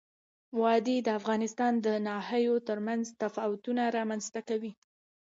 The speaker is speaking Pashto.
وادي د افغانستان د ناحیو ترمنځ تفاوتونه رامنځ ته کوي.